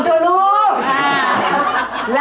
อะไรมั้ยครับ